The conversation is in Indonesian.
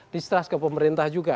distrust ke pemerintah juga